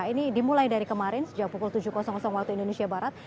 ini dimulai dari kemarin sejak pukul tujuh waktu indonesia barat